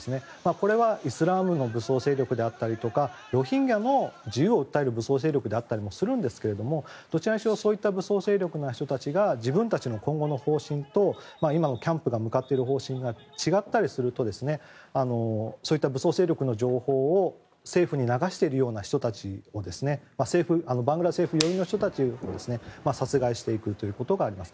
これはイスラムの武装組織であったりとかロヒンギャの自由を訴える武装勢力であったりするんですがどちらにせよ武装勢力の人たちが自分たちの今後の方針と今のキャンプが向かっている方針が違ったりするとそういった武装勢力の情報を政府に流しているような人たちをバングラ政府寄りの人たちが殺害していくということがあります。